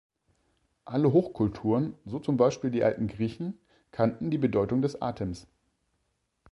Alle Hochkulturen, so zum Beispiel die alten Griechen, kannten die Bedeutung des Atems.